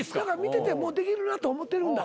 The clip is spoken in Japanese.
見ててもうできるなと思ってるんだ。